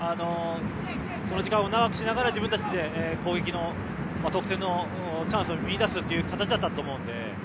その時間を長くしながら自分たちで攻撃の得点のチャンスを見い出すという形だったと思うので。